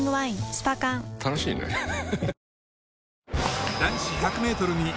スパ缶楽しいねハハハ